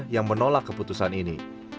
yang menolak keputusan ini